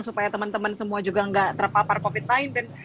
supaya temen temen semua juga ga terpapar covid sembilan belas